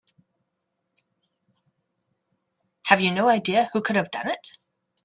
Have you no idea who could have done it?